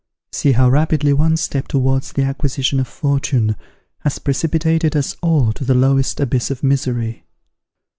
See how rapidly one step towards the acquisition of fortune has precipitated us all to the lowest abyss of misery!